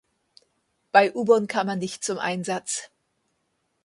Bei Ubon kam er nicht zum Einsatz.